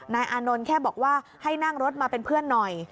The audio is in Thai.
อานนท์แค่บอกว่าให้นั่งรถมาเป็นเพื่อนหน่อย